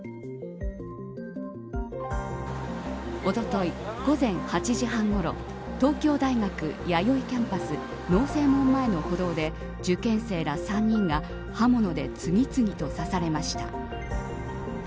おととい、午前８時半ごろ東京大学弥生キャンパス農正門前の歩道で受験生ら３人が刃物で次々と刺されました。